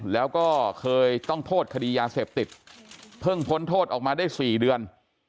แล้วก็เคยต้องโทษคดียาเสพติดเพิ่งพ้นโทษออกมาได้๔เดือน